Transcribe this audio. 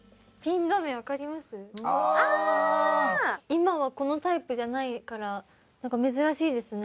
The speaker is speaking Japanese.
今はこのタイプじゃないからなんか珍しいですね